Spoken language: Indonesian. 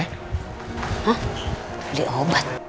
hah beli obat